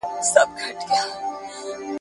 دا بزه چا پټي ته خوشي کړې ده؟